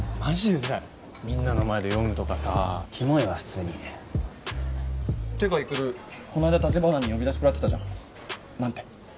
ウザいみんなの前で読むとかさキモいわ普通にってか育この間立花に呼び出しくらってたじゃん何て？